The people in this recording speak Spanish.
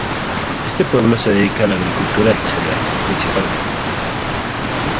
Este pueblo se dedica a la agricultura del cereal, principalmente.